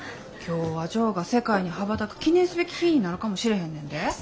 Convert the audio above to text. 今日はジョーが世界に羽ばたく記念すべき日ぃになるかもしれへんねんで。